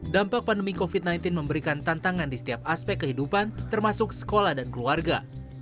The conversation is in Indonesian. dampak pandemi covid sembilan belas memberikan tantangan di setiap aspek kehidupan termasuk sekolah dan keluarga